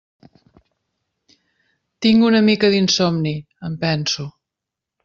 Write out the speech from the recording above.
Tinc una mica d'insomni, em penso.